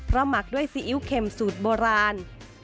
หมักด้วยซีอิ๊วเข็มสูตรโบราณ